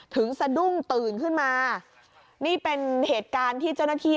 สะดุ้งตื่นขึ้นมานี่เป็นเหตุการณ์ที่เจ้าหน้าที่